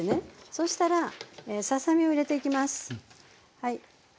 そうしたらささ身を入れていきます。